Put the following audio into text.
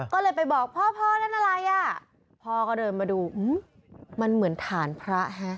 ก็เลยไปบอกพ่อพ่อนั่นอะไรอ่ะพ่อก็เดินมาดูมันเหมือนฐานพระฮะ